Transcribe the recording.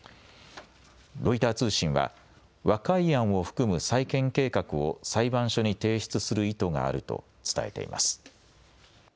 ロイター通信は和解案を含む再建計画を裁判所に提出する意図があると伝えています。